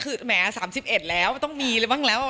คือแม้๓๑แล้วต้องมีบ้างแล้ว